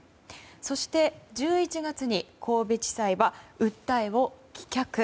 そして、１１月に神戸地裁は訴えを棄却。